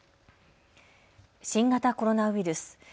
新型コロナウイルス。